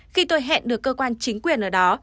khi tôi hẹn được cơ quan chính quyền ở đó